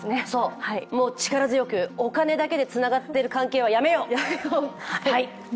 もう力強く、お金だけでつながっている関係はやめよう！